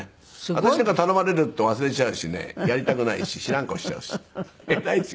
私なんか頼まれると忘れちゃうしねやりたくないし知らん顔しちゃうし。